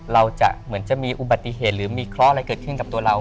เราจะเหมือนจะมีอุบัติเหตุหรือมีเคราะห์อะไรเกิดขึ้นกับตัวเรา